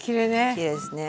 きれいですね。